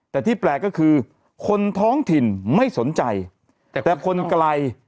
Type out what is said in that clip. แต่ที่แปลกก็คือคนท้องถิ่นไม่สนใจแต่คนไกล